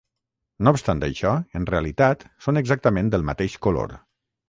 No obstant això, en realitat són exactament del mateix color.